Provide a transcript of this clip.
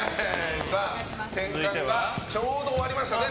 転換がちょうど終わりましたね。